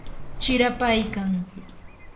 chirapaykan.